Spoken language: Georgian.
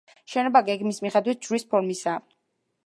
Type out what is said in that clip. შენობა გეგმის მიხედვით ჯვრის ფორმისაა.